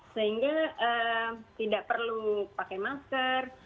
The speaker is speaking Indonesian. sehingga tidak perlu pakai masker